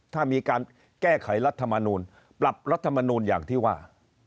ถ้ามีการแก้ไขรัฐมนูลปรับรัฐมนูลอย่างที่ว่า